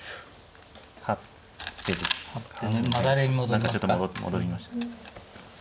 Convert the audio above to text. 何かちょっと戻りました。